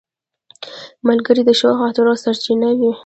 ملګری د ښو خاطرو سرچینه وي